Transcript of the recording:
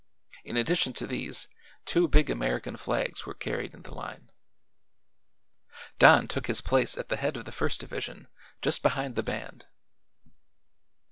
In addition to these, two big American flags were carried in the line. Don took his place at the head of the First Division, just behind the band.